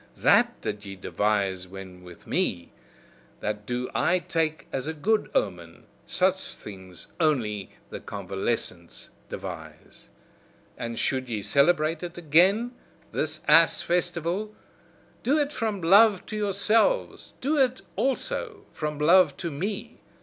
THAT did ye devise when with me, that do I take as a good omen, such things only the convalescents devise! And should ye celebrate it again, this ass festival, do it from love to yourselves, do it also from love to me!